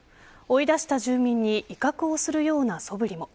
追い出した住民に威嚇をするようなそぶりも。